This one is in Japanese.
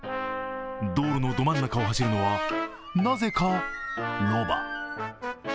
道路のど真ん中を走るのはなぜかロバ。